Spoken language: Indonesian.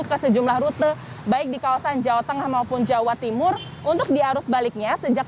ke sejumlah rute baik di kawasan jawa tengah maupun jawa timur untuk diarus baliknya sejak